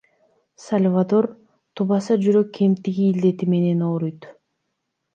Сальвадор тубаса жүрөк кемтиги илдети менен ооруйт.